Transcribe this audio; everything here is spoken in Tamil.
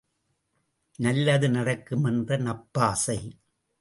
நல்லது நடக்கும் என்ற நப்பாசை.